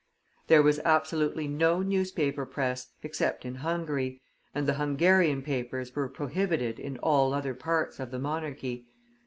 There was absolutely no newspaper press, except in Hungary, and the Hungarian papers were prohibited in all other parts of the monarchy.